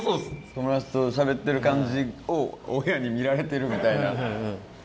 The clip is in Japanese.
友達としゃべってる感じを親に見られてるみたいな。